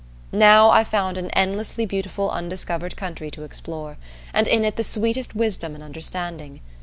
Now I found an endlessly beautiful undiscovered country to explore, and in it the sweetest wisdom and understanding.